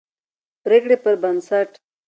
پرېکړې پربنسټ